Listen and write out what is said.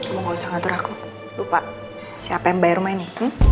kamu gak usah ngatur aku lupa siapa yang bayar rumah ini